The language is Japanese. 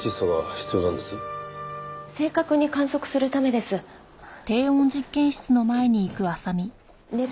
正確に観測するためです。